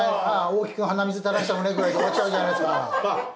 大木君鼻水垂らしたのね」ぐらいで終わっちゃうじゃないですか。